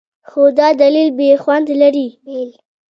خو دا لیدل بېل خوند لري.